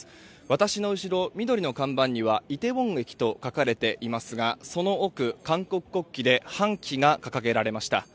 私の後ろ、緑の看板にはイテウォン駅と書かれていますがその奥、韓国国旗で半旗が掲げられました。